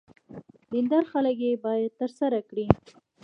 دیندار خلک یې باید ترسره کړي.